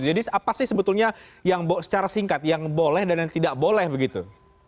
jadi apa sih sebetulnya yang secara singkat yang boleh dan yang tidak boleh begitu